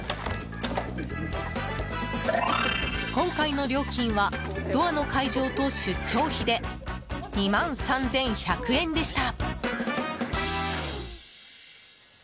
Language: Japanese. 今回の料金はドアの解錠と出張費で２万３１００円でした。